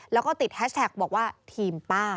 แล้วก็ติดแฮชแท็กบอกว่าทีมป้า